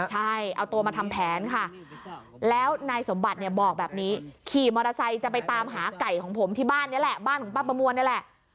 ใช่เอาตัวมาทำแผนค่ะแล้วนายสมบัติเนี่ยบอกแบบนี้ขี่มอเตอร์ไซค์จะไปตามหาไก่ของผมที่บ้านนี้แหละบ้านของป้าประมวลนี่แหละ